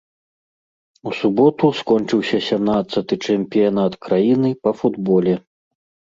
У суботу скончыўся сямнаццаты чэмпіянат краіны па футболе.